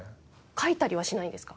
書いたりはしないんですか？